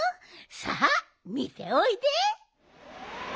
さあみておいで。